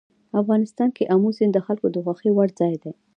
افغانستان کې آمو سیند د خلکو د خوښې وړ ځای دی.